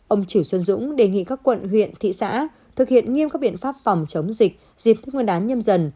ông chủ xuân dũng đề nghị các quận huyện thị xã thực hiện nghiêm các biện pháp phòng chống dịch dịp thức nguyên đán nhâm dần